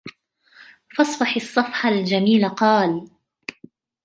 فَاصْفَحْ الصَّفْحَ الْجَمِيلَ قَالَ